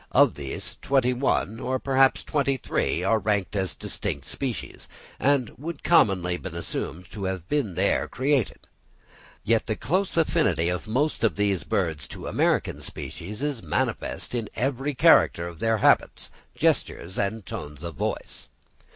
Of these twenty one, or perhaps twenty three, are ranked as distinct species, and would commonly be assumed to have been here created; yet the close affinity of most of these birds to American species is manifest in every character in their habits, gestures, and tones of voice.